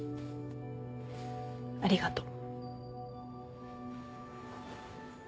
ありがとう。